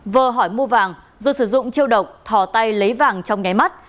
vừa hỏi mua vàng dù sử dụng chiêu độc thò tay lấy vàng trong ngáy mắt